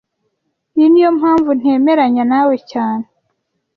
Iyi niyo mpamvu ntemeranya nawe cyane